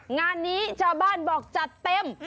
งานนี้ชาวบ้านบอกจัดเต็ม